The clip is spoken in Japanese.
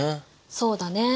そうだね。